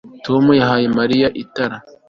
Tom yahaye Mariya itara